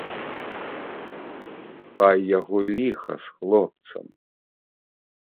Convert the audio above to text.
Хай яго ліха з хлопцам!